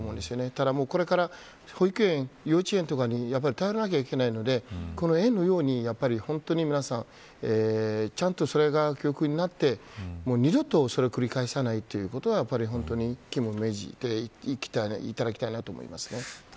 ただ、これから保育園幼稚園とかに頼らなきゃいけないのでこの園のように皆さん、ちゃんとそれが教訓になって二度とそれを繰り返さないということが肝に銘じていただきたいと思います。